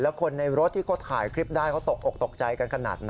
แล้วคนในรถที่ก็ถ่ายคลิปได้ตกอกตกใจกันขนาดไหน